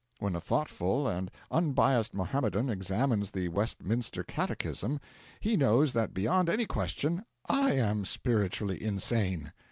When a thoughtful and unbiased Mohammedan examines the Westminster Catechism, he knows that beyond any question I am spiritually insane.